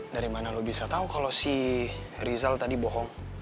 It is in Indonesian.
dari mana lu bisa tahu kalau si rizal tadi bohong